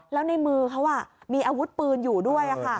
แล้วในมือเขามีอาวุธปืนอยู่ด้วย